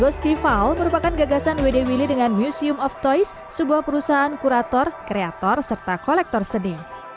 gostival merupakan gagasan wd willy dengan museum of toys sebuah perusahaan kurator kreator serta kolektor seni